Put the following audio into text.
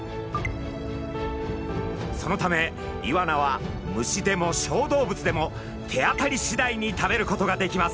そのためイワナは虫でも小動物でも手当たりしだいに食べることができます。